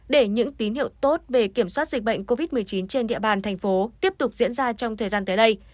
sự tốt về kiểm soát dịch bệnh covid một mươi chín trên địa bàn tp hcm tiếp tục diễn ra trong thời gian tới đây